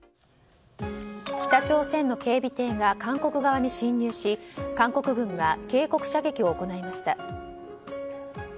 北朝鮮の警備艇が韓国側に侵入し韓国軍が警告射撃を行いました。